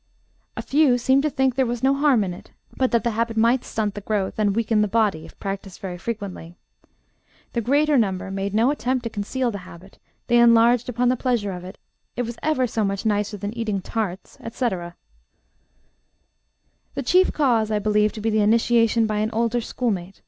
A few seemed to think there was 'no harm in it,' but that the habit might stunt the growth and weaken the body if practiced very frequently. The greater number made no attempt to conceal the habit, they enlarged upon the pleasure of it; it was 'ever so much nicer than eating tarts,' etc. "The chief cause I believe to be initiation by an older schoolmate.